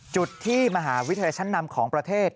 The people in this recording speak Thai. จุดที่มหาวิทยาลัยชั้นนำของประเทศ